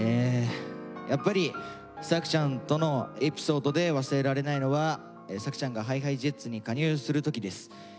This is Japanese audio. やっぱり作ちゃんとのエピソードで忘れられないのは作ちゃんがＨｉＨｉＪｅｔｓに加入する時です。